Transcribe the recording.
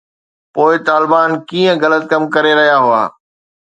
پوءِ طالبان ڪيئن غلط ڪم ڪري رهيا هئا؟